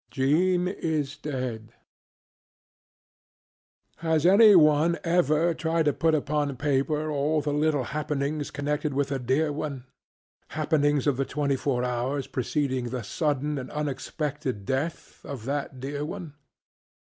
JEAN IS DEAD! Has any one ever tried to put upon paper all the little happenings connected with a dear oneŌĆöhappenings of the twenty four hours preceding the sudden and unexpected death of that dear one?